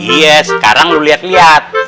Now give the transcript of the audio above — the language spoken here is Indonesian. iya sekarang lo liat liat